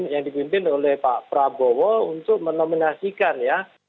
yang dipimpin oleh pak prabowo untuk menominasikan ya